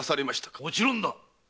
もちろんだ。